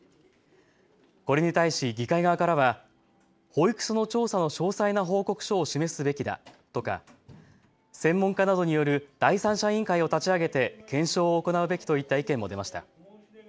これに対し議会側からは保育所の調査の詳細な報告書を示すべきだとか専門家などによる第三者委員会を立ち上げて検証を行うべきといった意見も出ました。